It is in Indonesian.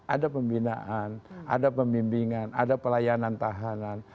ada pembinaan ada pembimbingan ada pelayanan tahanan